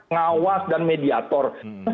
ngawas dan mediator